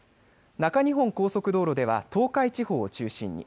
中日本高速道路では東海地方を中心に。